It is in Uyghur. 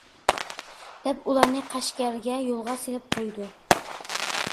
دەپ ئۇلارنى قەشقەرگە يولغا سېلىپ قويىدۇ.